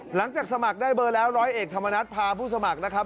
หลังจากสมัครได้เบอร์แล้วร้อยเอกธรรมนัฐพาผู้สมัครนะครับ